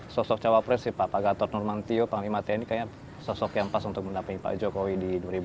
sosok cawaprek sih pak pak gator nurmantio pak limatya ini kayaknya sosok yang pas untuk mendaping pak jokowi di dua ribu sembilan belas